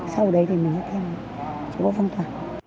sau đấy thì mình sẽ tiêm khu phong tỏa